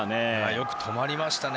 よく止まりましたね